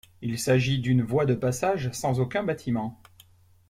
Il s'agit d'une voie de passage, sans aucun bâtiment.